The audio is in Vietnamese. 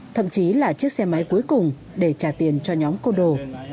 thậm chí là chiếc xe máy cuối cùng để trả tiền cho nhóm cô đồ